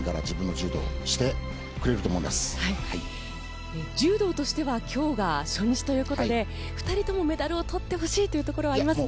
柔道としては今日が初日ということで２人ともメダルを取ってほしいところはありますね。